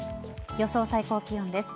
予想最高気温です。